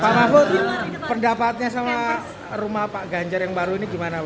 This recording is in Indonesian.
pak mahfud pendapatnya sama rumah pak ganjar yang baru ini gimana bu